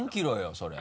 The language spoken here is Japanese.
それ。